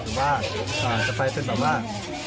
หรือว่าจะไปเป็นแบบว่า